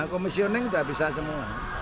komisioning sudah bisa semua